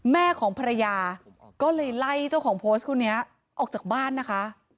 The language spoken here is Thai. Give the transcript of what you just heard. แม่ของภรรยาก็เลยไล่เจ้าของโพสต์คนนี้ออกจากบ้านนะคะ